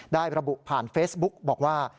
ได้ระบุผ่านเฟสบุ๊คบอกว่า